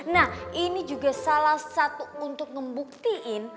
nah ini juga salah satu untuk ngembuktiin